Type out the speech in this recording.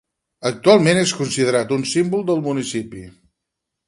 Actualment és considerat un símbol del municipi.